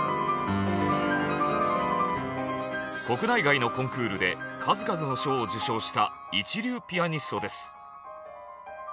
国内外のコンクールで数々の賞を受賞した一流ピアニストです。